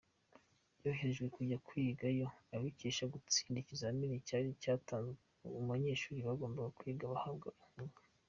Yoherejwe kujya kwigayo abikesha gutsinda ikizamini cyari cyatanzwe ku banyeshuri bagombaga kwiga bahabwa inkunga.